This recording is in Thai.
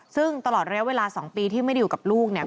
ซึ่งตลอดระยะเวลา๒ปีที่ไม่ได้อยู่กับลูกเนี่ย